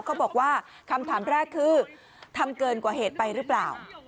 เขาบอกว่าคำถามแรกคือทำเกินกว่าเหตุไปหรือเปล่า